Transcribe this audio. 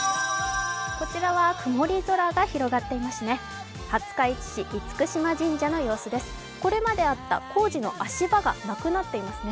こちらは曇り空が広がっていますね。